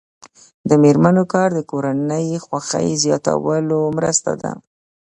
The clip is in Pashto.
د میرمنو کار د کورنۍ خوښۍ زیاتولو مرسته ده.